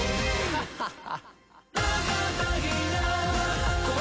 ハハハ！